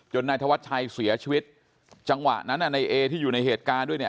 นายธวัชชัยเสียชีวิตจังหวะนั้นในเอที่อยู่ในเหตุการณ์ด้วยเนี่ย